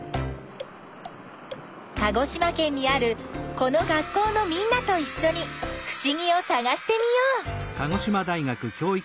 鹿児島県にあるこの学校のみんなといっしょにふしぎをさがしてみよう！